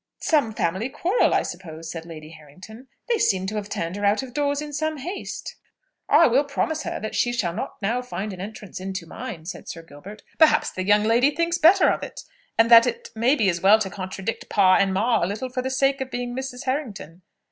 "Some family quarrel, I suppose," said Lady Harrington. "They seem to have turned her out of doors in some haste." "I will promise her that she shall not now find an entrance into mine," said Sir Gilbert. "Perhaps the young lady thinks better of it, and that it may be as well to contradict pa and ma a little for the sake of being Mrs. Harrington.